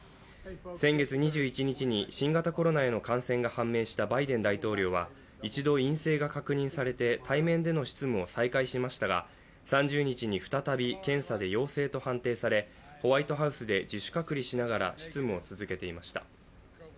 先月２１日に新型コロナへの感染が判明したバイデン大統領は一度陰性が確認されて対面での執務を再開しましたが、３０日に再び検査で陽性と判定されホワイトハウスで自主隔離しながら執務を続けていました。